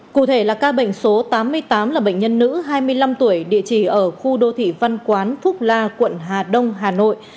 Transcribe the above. cụ thể là ca bệnh số tám mươi tám là bệnh nhân nữ hai mươi năm tuổi địa chỉ ở khu đô thị văn quán phúc la quận hà đông hà nội